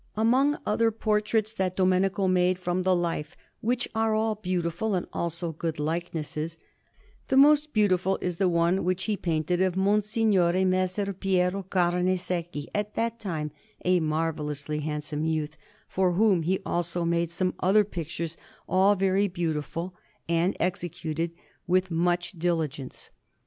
Among other portraits that Domenico made from the life, which are all beautiful and also good likenesses, the most beautiful is the one which he painted of Monsignore Messer Piero Carnesecchi, at that time a marvellously handsome youth, for whom he also made some other pictures, all very beautiful and executed with much diligence.